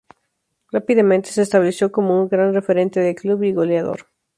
Rápidamente se estableció como un gran referente del Club y goleador.